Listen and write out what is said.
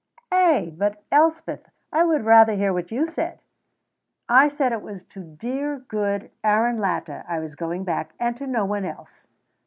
Ay, but, Elspeth, I would rather hear what you said." "I said it was to dear, good Aaron Latta I was going back, and to no one else."